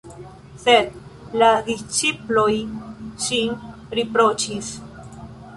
Sed la disĉiploj ŝin riproĉis.